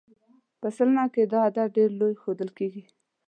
په سلنه کې دا عدد ډېر لوړ ښودل کېږي.